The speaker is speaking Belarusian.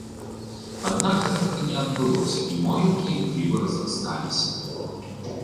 Аднак гэтага не адбылося і могілкі імкліва разрасталіся.